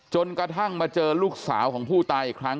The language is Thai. จนกระทั่งมาเจอลูกสาวของผู้ตายอีกครั้ง